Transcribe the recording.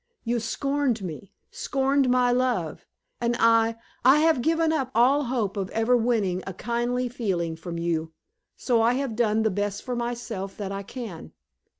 You scorned me scorned my love, and I I have given up all hope of ever winning a kindly feeling from you; so I have done the best for myself that I can.